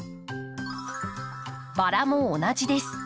バラも同じです。